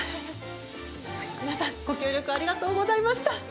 皆さんご協力ありがとうございました。